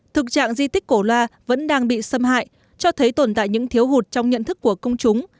thực trạng di tích cổ loa vẫn đang bị xâm hại cho thấy tồn tại những thiếu hụt trong nhận thức của công chúng